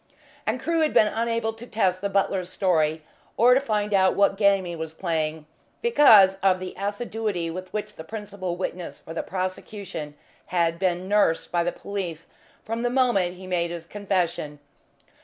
And Crewe had been unable to test the butler's story, or find out what game he was playing, because of the assiduity with which the principal witness for the prosecution had been "nursed" by the police from the moment he made his confession.